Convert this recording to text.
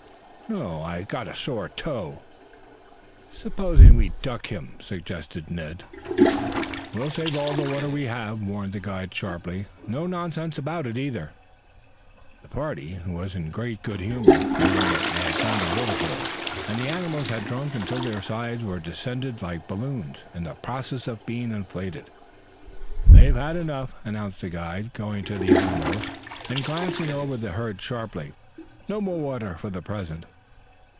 "No; I've got a sore toe." "Supposing we duck him," suggested Ned. "We'll save all the water we have," warned the guide sharply. "No nonsense about it, either." The party was in great good humor, now that they had found a water hole, and the animals had drunk until their sides were distended like balloons in process of being inflated. "They've had enough," announced the guide, going to the animals and glancing over the herd sharply. "No more water for the present."